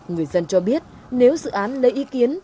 người dân cho biết nếu dự án lấy ý kiến